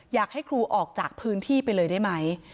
อยากให้ครูออกจากพื้นที่ไปเลยได้ไหม